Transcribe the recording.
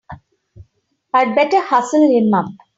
I'd better hustle him up!